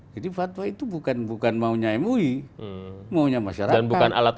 jadi fatwa itu bukan maunya mui maunya masyarakat